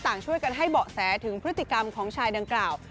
ช่วยกันให้เบาะแสถึงพฤติกรรมของชายดังกล่าว